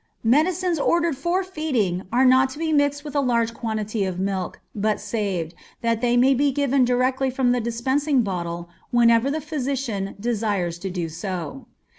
Medicines ordered for feeding are not to be mixed with a large quantity of milk, but saved, that they may be given directly from the dispensing bottle whenever the physician desires to do so.